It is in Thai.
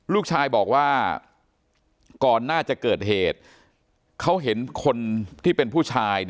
ลูกชายบอกว่าก่อนหน้าจะเกิดเหตุเขาเห็นคนที่เป็นผู้ชาย